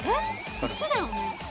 こっちだよね？